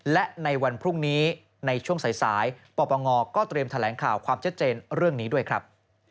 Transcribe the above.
และในวันพรุ่งนี้ในช่วงสายปปงก็เตรียมแถลงข่าวความชัดเจนเรื่องนี้ด้วยครับ